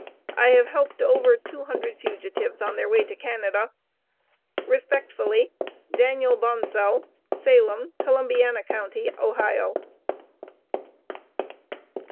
I have helped over two hundred fugitives on their way to Canada. Respectfully, DANIEL BONSALL, Salem, Columbiana county, Ohio."